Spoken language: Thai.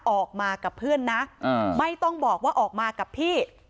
ออกมากับเพื่อนนะไม่ต้องบอกว่าออกมากับพี่